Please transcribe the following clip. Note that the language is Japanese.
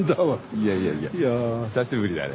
いやいやいや久しぶりだね。